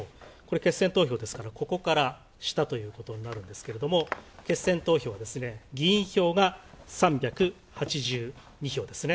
決選投票ですから、ここから下ということになるんですけれども決選投票は、議員票が３８２票ですね。